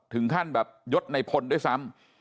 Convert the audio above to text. ถึงขั้นแบบยดในพลด้วยซ้ำ